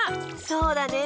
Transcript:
そうだね。